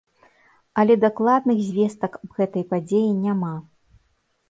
Але больш дакладных звестак аб гэтай падзеі няма.